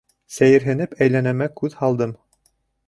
Сәйерһенеп, әйләнәмә күҙ һалдым.